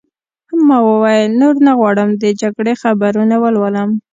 ما وویل: نور نه غواړم د جګړې خبرونه ولولم.